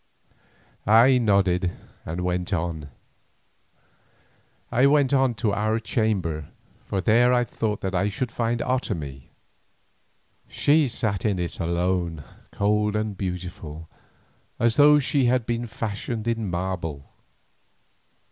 I nodded and went on. I went on to our chamber, for there I thought that I should find Otomie. She sat in it alone, cold and beautiful as though she had been fashioned in marble.